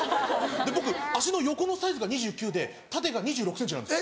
僕足の横のサイズが２９で縦が２６ｃｍなんです。